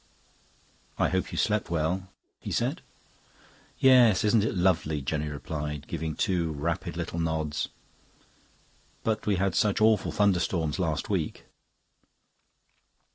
"I hope you slept well," he said. "Yes, isn't it lovely?" Jenny replied, giving two rapid little nods. "But we had such awful thunderstorms last week."